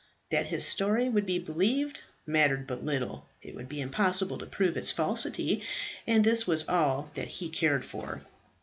That his story would be believed mattered but little. It would be impossible to prove its falsity, and this was all that he cared for.